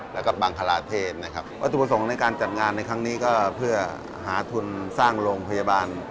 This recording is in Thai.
และก็บางคราเทศนะครับก็จุบส่งการการจัดงานในครั้งนี้ก็เพื่อหาทุนสร้างโรงพยาบาล